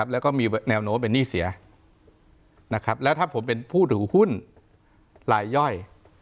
แล้วก็มีแนวโน้มเป็นหนี้เสียแล้วถ้าผมเป็นผู้ถือหุ้นลายย่อย